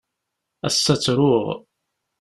Ass-a ttruɣ.